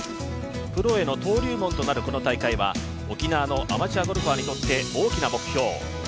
プロへの登竜門となるこの大会は沖縄のアマチュアゴルファーにとって大きな目標。